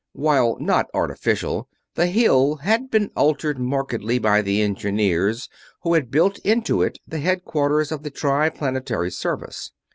While not artificial, the Hill had been altered markedly by the engineers who had built into it the headquarters of the Triplanetary Service.